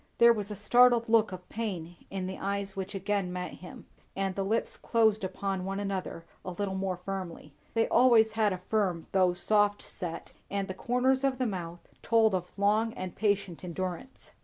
There was a startled look of pain in the eyes which again met him, and the lips closed upon one another a little more firmly. They always had a firm though soft set, and the corners of the mouth told of long and patient endurance.